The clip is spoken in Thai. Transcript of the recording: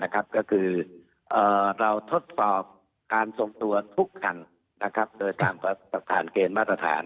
ก็คือเราทดสอบการทรงตัวทุกคันโดยตามฐานเกณฑ์มาตรฐาน